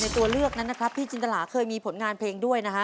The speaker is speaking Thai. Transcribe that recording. ในตัวเลือกนั้นพี่จินตะลาเคยมีผลงานเพลงด้วยนะฮะ